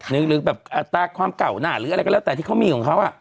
หรือแบบอัตราความเก่าหน้าหรืออะไรก็แล้วแต่ที่เขามีของเขา